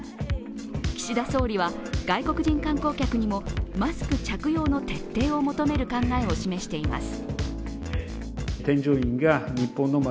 岸田総理は外国人観光客にもマスク着用の徹底を求める考えを示しています。